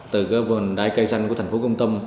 từ cái vườn đáy cây xanh của thành phố công tâm